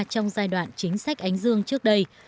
trong giai đoạn chính sách ánh dương trước đây